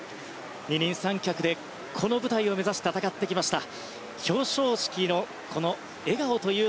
二人三脚で、この舞台を目指し戦ってきました。